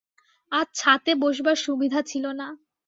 আজ ছাতে বসবার সুবিধা ছিল না।